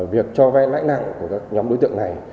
việc cho vay lãnh nạn của các nhóm đối tượng này